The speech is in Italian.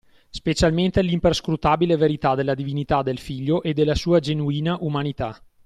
Specialmente l'imperscrutabile verità della divinità del Figlio e della sua genuina umanità.